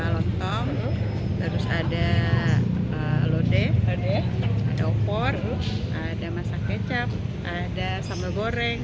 lontong terus ada lodeh ada opor ada masak kecap ada sambal goreng